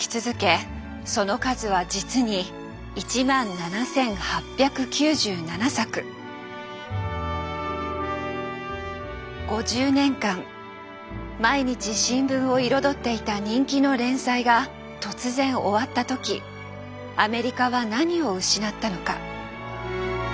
その数は実に５０年間毎日新聞を彩っていた人気の連載が突然終わった時アメリカは何を失ったのか。